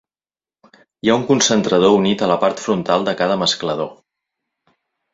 Hi ha un concentrador unit a la part frontal de cada mesclador.